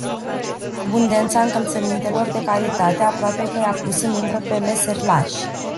Abundența încălțămintelor de calitate aproape că i-a pus în umbră pe meserIași.